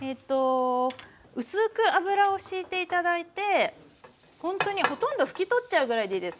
薄く油をしいて頂いてほんとにほとんど拭き取っちゃうぐらいでいいです。